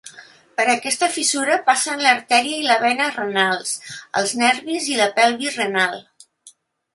Per aquesta fissura passen l'artèria i la vena renals, els nervis i la pelvis renal.